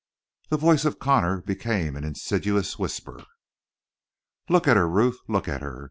The voice of Connor became an insidious whisper. "Look at her, Ruth. Look at her.